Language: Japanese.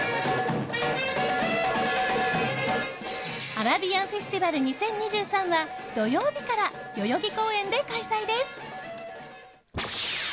アラビアンフェスティバル２０２３は土曜日から代々木公園で開催です。